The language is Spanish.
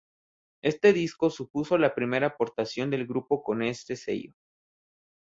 Este disco supuso la primera aportación del grupo con este sello.